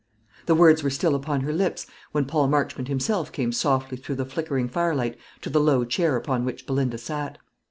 The words were still upon her lips, when Paul Marchmont himself came softly through the flickering firelight to the low chair upon which Belinda sat.